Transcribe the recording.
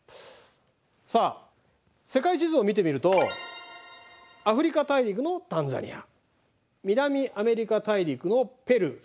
さあ世界地図を見てみるとアフリカ大陸のタンザニア南アメリカ大陸のペルー。